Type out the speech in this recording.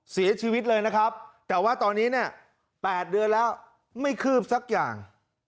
เสียชีวิตเลยนะครับแต่ว่าตอนนี้เนี่ย๘เดือนแล้วไม่คืบสักอย่าง